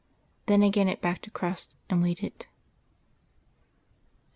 Then again it backed across and waited